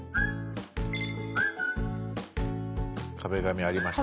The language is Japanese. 「壁紙」ありました。